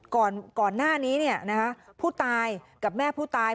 ก่อนหน้านี้เนี่ยนะฮะผู้ตายกับแม่ผู้ตาย